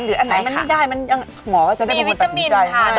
หรืออันไหนมันไม่ได้หมอก็จะได้รวมตัดสินใจ